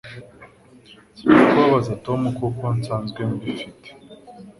Sinshaka kubabaza Tom nkuko nsanzwe mbifite.